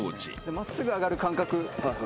真っすぐ上がる感覚。